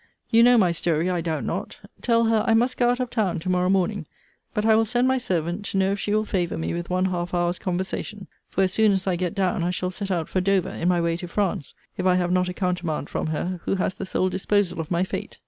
You know my story, I doubt not. Tell her, I must go out of town to morrow morning. But I will send my servant, to know if she will favour me with one half hour's conversation; for, as soon as I get down, I shall set out for Dover, in my way to France, if I have not a countermand from her, who has the sole disposal of my fate.